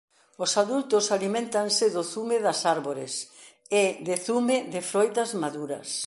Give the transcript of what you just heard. Os adultos aliméntanse do zume das árbores e de zume de froitas maduras.